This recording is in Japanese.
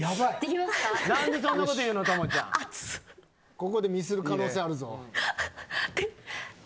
ここでミスる可能性あるぞ。